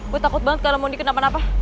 gua takut banget kalo mondi kenapa napa